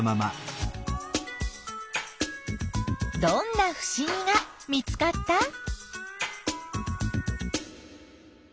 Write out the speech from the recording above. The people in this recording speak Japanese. どんなふしぎが見つかった？